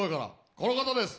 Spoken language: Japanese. この方です